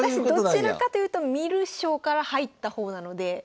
私どちらかというと観る将から入った方なので。